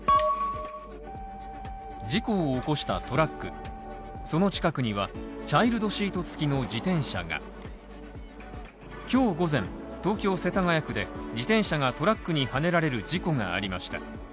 事故を起こしたトラック、その近くにはチャイルドシート付きの自転車が今日午前、東京世田谷区で自転車がトラックにはねられる事故がありました。